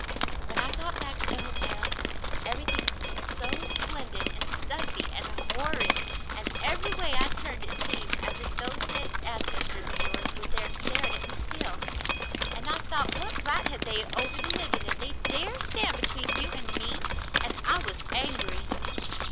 "When I got back to the hotel, everything seemed so splendid and stuffy and horrid — and every way I turned it seemed as if those dead ancestors of yours were there staring at me still ; and I thought what right had they over the living that they dared stand between you and me ; and I was angry."